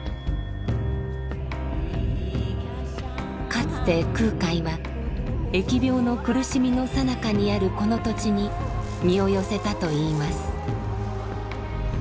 かつて空海は疫病の苦しみのさなかにあるこの土地に身を寄せたといいます。